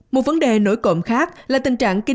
một vấn đề nổi cộm khác là tình trạng kinh doanh